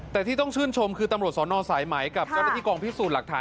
แต่ที่ต้องชื่นชมคือตำรวจสนสายไหมกับเจ้าหน้าที่กองพิสูจน์หลักฐาน